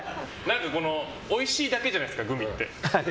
おいしいだけじゃないですかグミって。